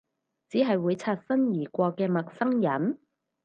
只係會擦身而過嘅陌生人？